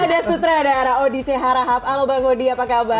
ada sutra ada araodi cehara halo bang odi apa kabar